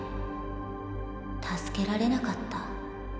助けられなかった。